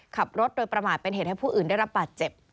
ขับรถโดยประมาทเป็นเหตุให้ผู้อื่นได้รับบาดเจ็บ